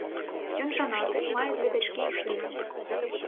Ён жанаты, мае дзве дачкі і сына.